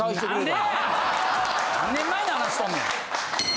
何年前の話しとんねん。